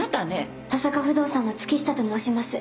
登坂不動産の月下と申します。